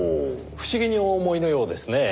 不思議にお思いのようですねぇ。